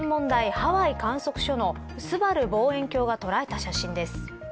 ハワイ観測所のすばる望遠鏡が捉えた写真です。